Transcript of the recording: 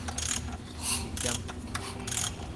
digdama